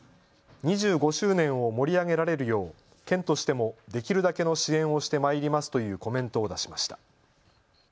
２５周年を盛り上げられるよう県としてもできるだけの支援をしてまいりますというコメントを出しました。